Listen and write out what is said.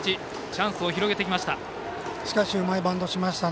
チャンスを広げてきました。